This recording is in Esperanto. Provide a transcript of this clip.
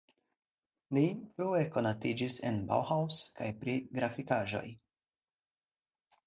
Li frue konatiĝis en Bauhaus kaj pri grafikaĵoj.